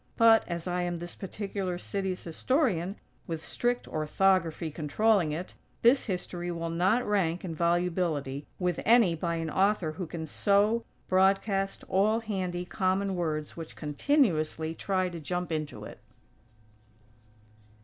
But, as I am this particular city's historian, with strict orthography controlling it, this history will not rank, in volubility, with any by an author who can sow, broadcast, all handy, common words which continuously try to jump into it!